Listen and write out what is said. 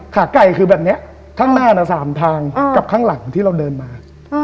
ขาไก่คือแบบนี้ข้างหน้าน่ะ๓ทางกับข้างหลังที่เราเดินมา